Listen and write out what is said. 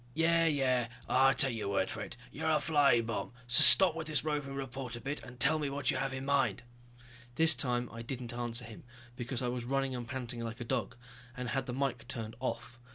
"Yeah, yeah ... I take your word for it, you're a flying bomb. So stop with this roving reporter bit and tell me what you have in mind." This time I didn't answer him, because I was running and panting like a dog, and had the mike turned off.